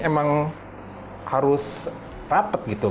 ini memang harus rapet gitu kan